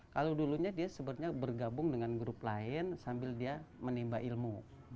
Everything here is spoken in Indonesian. kalau dulunya dia sebetulnya bergabung dengan grup lain sambil dia menimba ilmu